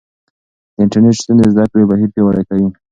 د انټرنیټ شتون د زده کړې بهیر پیاوړی کوي.